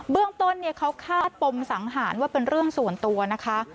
เรื่องต้นเขาคาดปมสังหารว่าเป็นเรื่องส่วนตัวนะคะ